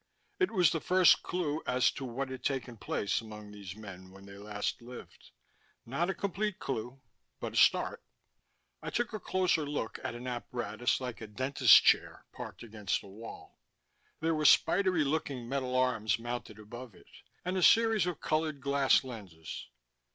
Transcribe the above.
It was the first clue as to what had taken place among these men when they last lived: not a complete clue, but a start. I took a closer look at an apparatus like a dentist's chair parked against the wall. There were spidery looking metal arms mounted above it, and a series of colored glass lenses.